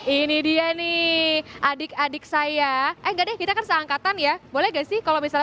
ini dia nih adik adik saya eh enggak deh kita kan seangkatan ya boleh gak sih kalau misalnya